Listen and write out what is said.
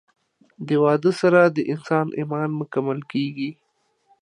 د واده سره د انسان ايمان مکمل کيږي